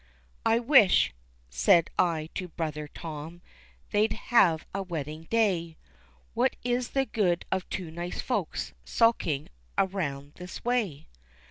"I wish," said I to brother Tom, "they'd have a wedding day, What is the good of two nice folks sulking around this way?